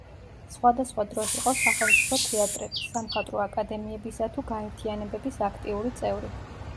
სხვადასხვა დროს იყო სახელმწიფო თეატრების, სამხატვრო აკადემიებისა თუ გაერთიანებების აქტიური წევრი.